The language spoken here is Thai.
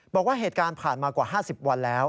บอกว่าเหตุการณ์ผ่านมากว่า๕๐วันแล้ว